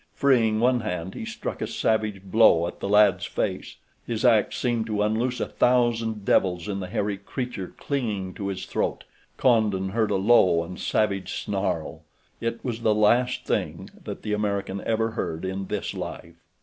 Freeing one hand he struck a savage blow at the lad's face. His act seemed to unloose a thousand devils in the hairy creature clinging to his throat. Condon heard a low and savage snarl. It was the last thing that the American ever heard in this life.